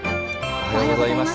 おはようございます。